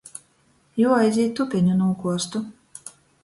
Juoaizīt tupeņu nūkuostu.